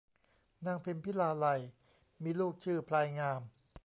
นางพิมพิลาไลยมีลูกชื่อพลายงาม